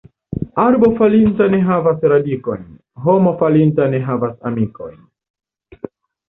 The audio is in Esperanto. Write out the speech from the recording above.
Arbo falinta ne havas radikojn, homo falinta ne havas amikojn.